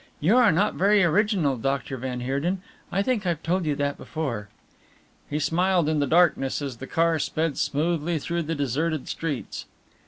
You are not very original, Dr. van Heerden. I think I've told you that before." He smiled in the darkness as the car sped smoothly through the deserted streets.